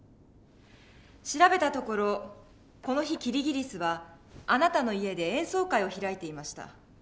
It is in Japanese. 調べたところこの日キリギリスはあなたの家で演奏会を開いていました。